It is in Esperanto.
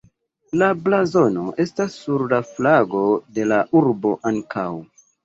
La blazono estas sur la flago de la urbo ankaŭ.